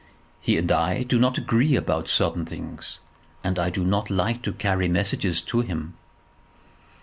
He and I do not agree about certain things, and I do not like to carry messages to him.